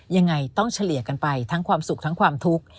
ยังไงต้องเฉลี่ยกันไปทั้งความสุขทั้งความทุกข์